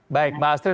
baik mas riyah